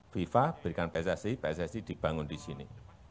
fifa berikan pssi pssi dibangun di sini